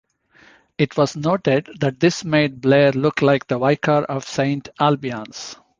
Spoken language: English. It was noted that this made Blair look like the "vicar of Saint Albions".